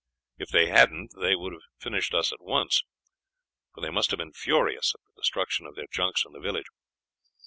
If they hadn't they would have finished us at once, for they must have been furious at the destruction of their junks and village.